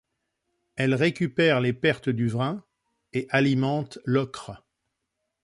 Elle récupère les pertes du Vrin et alimente l'Ocre.